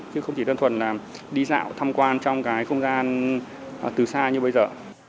chứ không chỉ đơn thuần là đi dạo thăm quan trong cái không gian từ xa như bây giờ